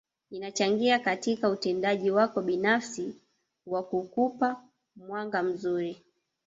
Inachangia katika utendaji wako binafsi wa kukupa mwanga mzuri